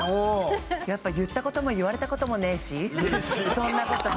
やっぱ言ったことも言われたこともねしそんなこと。